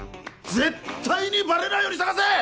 絶対にバレないように捜せ！